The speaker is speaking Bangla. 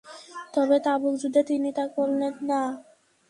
তবে তাবুক যুদ্ধে তিনি তা করলেন না।